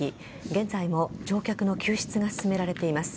現在も乗客の救出が進められています。